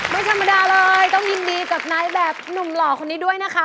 ไม่ธรรมดาเลยต้องยินดีกับนายแบบหนุ่มหล่อคนนี้ด้วยนะคะ